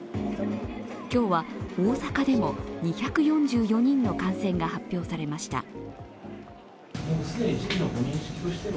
今日は大阪でも２４４人の感染が発表されました。